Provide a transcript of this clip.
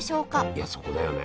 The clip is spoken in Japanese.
いやそこだよね。